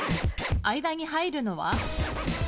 間に入るのは？